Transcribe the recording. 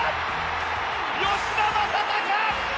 吉田正尚！